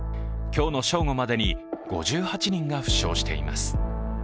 今日の正午までに５８人が負傷しています。